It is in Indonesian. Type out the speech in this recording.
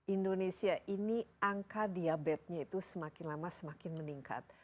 indonesia ini angka diabetesnya itu semakin lama semakin meningkat